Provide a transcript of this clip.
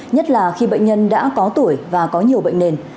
nhất là khi bệnh nhân đã có tuổi và có nhiều bệnh nền